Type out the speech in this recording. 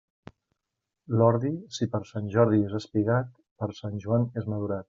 L'ordi, si per Sant Jordi és espigat, per Sant Joan és madurat.